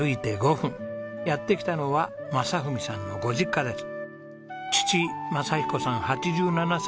やって来たのは正文さんのご実家です。